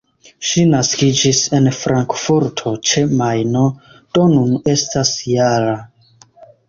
Ŝi naskiĝis en Frankfurto-ĉe-Majno, do nun estas -jara.